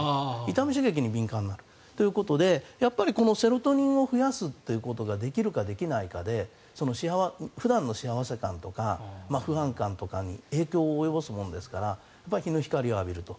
痛み刺激に敏感になるということでセロトニンを増やすということができるかできないかで普段の幸せ感とか不安感に影響を及ぼすものですから日の光を浴びると。